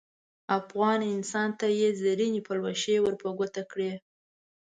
افغان انسان ته یې زرینې پلوشې ور په ګوته کړې.